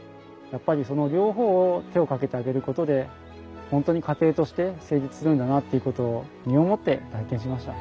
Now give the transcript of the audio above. やっぱりその両方を手をかけてあげることで本当に家庭として成立するんだなっていうことを身をもって体験しました。